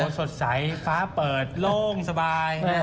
สดใสฟ้าเปิดโล่งสบาย